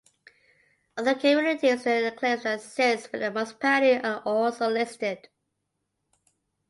Other communities and enclaves that exist within a municipality are also listed.